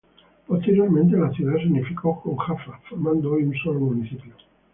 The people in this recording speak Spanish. Posteriormente, la ciudad se unificó con Jaffa, formando hoy un solo municipio.